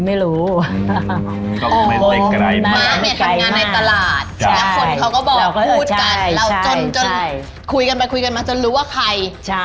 มีเมียน้อย